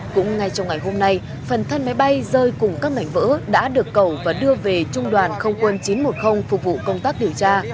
cũng ngay trong ngày hôm nay phần thân máy bay rơi cùng các mảnh vỡ đã được cầu và đưa về trung đoàn không quân chín trăm một mươi phục vụ công tác điều tra